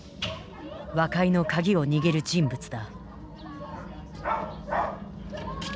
和解の鍵を握る人物だ。